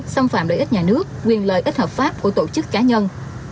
xâm phạm lợi ích nhà nước quyền lợi ích hợp pháp của tổ chức cá nhân